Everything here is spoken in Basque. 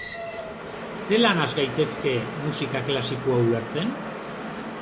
Zelan has gaitezke musika klasikoa ulertzen?